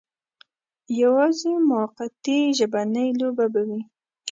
یوازې موقتي ژبنۍ لوبه به وي.